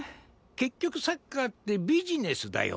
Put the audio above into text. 結局サッカーってビジネスだよ。